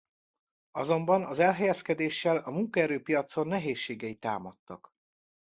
Azonban az elhelyezkedéssel a munkaerőpiacon nehézségei támadtak.